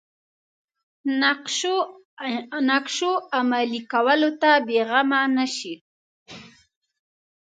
نقشو عملي کولو ته بېغمه نه شي.